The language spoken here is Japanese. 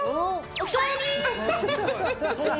おかえりー。